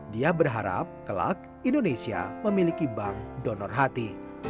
dia berharap kelak indonesia memiliki bank donor hati